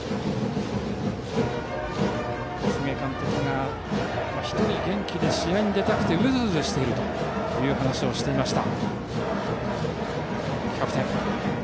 小菅監督が１人、元気で試合に出たくてうずうずしているという話をしていました。